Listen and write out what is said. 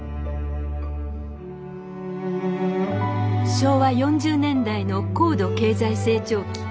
昭和４０年代の高度経済成長期。